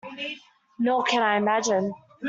Nor can I imagine.